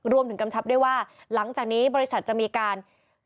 รวมถึงกำชับได้ว่าหลังจากนี้บริษัทจะมีการ